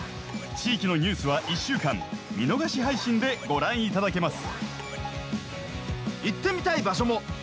地域のニュースは１週間見逃し配信でご覧いただけます。